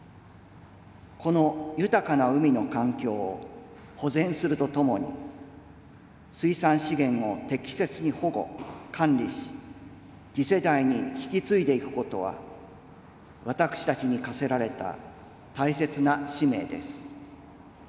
この豊かな海の環境を保全するとともに、水産資源を適切に保護・管理し、次世代に引き継いでいくことは、私たちに課せられた大切な使命です。